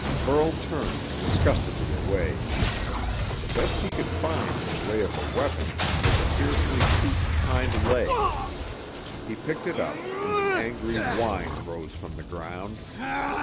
Burl turned disgustedly away. The best he could find in the way of a weapon was a fiercely toothed hind leg. He picked it up, and an angry whine rose from the ground.